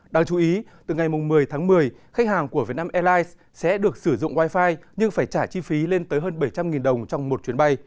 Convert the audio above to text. đáng chú ý từ ngày một mươi tháng một mươi khách hàng của vietnam airlines sẽ được sử dụng wifi nhưng phải trả chi phí lên tới hơn bảy trăm linh đồng trong một chuyến bay